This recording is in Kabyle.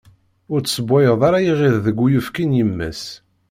Ur tessewwayeḍ ara iɣid deg uyefki n yemma-s.